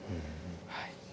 はい。